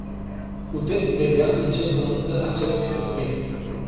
Puteți vedea în ce constă acest respect.